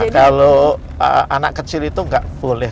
kalau anak kecil itu nggak boleh